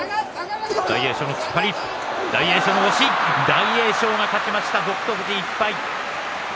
大栄翔が勝ちました北勝富士、１敗。